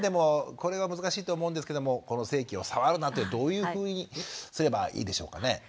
これは難しいと思うんですけどもこの性器を触るなってどういうふうにすればいいでしょうかね？